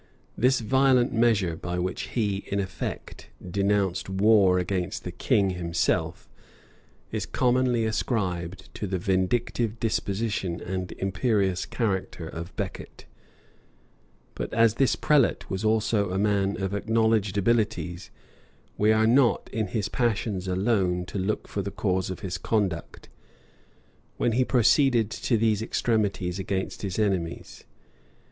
This violent measure, by which he, in effect, denounced war against the king himself, is commonly ascribed to the vindictive disposition and imperious character of Becket; but as this prelate was also a man of acknowledged abilities, we are not in his passions alone to look for the cause of his conduct, when he proceeded to these extremities against his enemies.